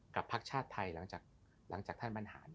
พักชาติไทยหลังจากท่านบรรหาร